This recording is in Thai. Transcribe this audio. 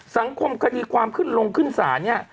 สังคมคดีความขึ้นลงขึ้นสานนี่